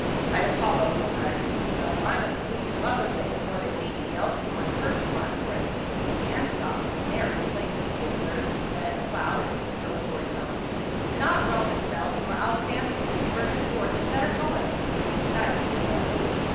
"By Apollo!" he muttered to himself, "I must sweeten them up a bit before they leave me, else will my purse smart for it. Antioch is a merry place, good sirs," he said aloud in a conciliatory tone ;" not Rome itself nor Alexandria can furnish forth a better holiday — and I have seen both.